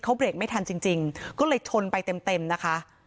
เขาเบรกไม่ทันจริงจริงก็เลยชนไปเต็มเต็มนะคะ